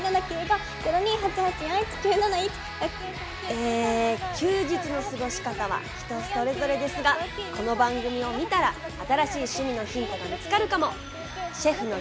え休日の過ごし方は人それぞれですがこの番組を見たら新しい趣味のヒントが見つかるかも。